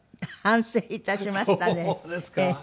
そうですか。